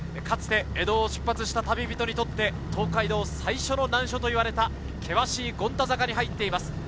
かつて江戸を出発した旅人にとって東海道最初の難所と言われた険しい権太坂に入っています。